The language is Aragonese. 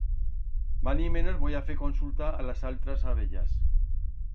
Manimenos, voi a fer consulta a las altras abellas.